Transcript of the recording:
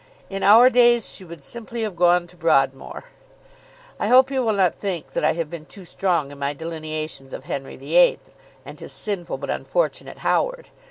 In our days she would simply have gone to Broadmore. I hope you will not think that I have been too strong in my delineations of Henry VIII. and his sinful but unfortunate Howard.